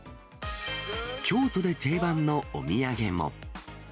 京都で定番のお土産も。